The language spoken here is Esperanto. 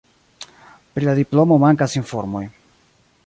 Pri la diplomo mankas informoj.